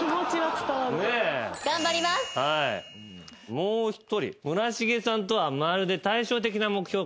もう一人。